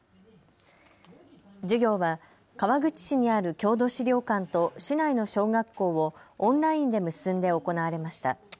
授業は川口市にある郷土資料館と市内の小学校をオンラインで結んで行われました。